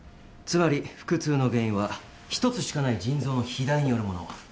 つまり腹痛の原因は１つしかない腎臓の肥大によるもの。